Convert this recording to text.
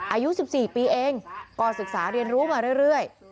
อายุ๑๔ปีเองก็ศึกษาเรียนรู้มาเรื่อย